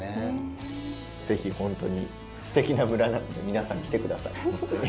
ぜひほんとにすてきな村なので皆さん来てくださいほんとに。